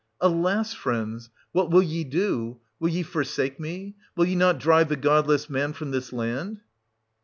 Alas ! friends, what will ye do ? Will ye for sake me? will ye not drive the godless man from this land?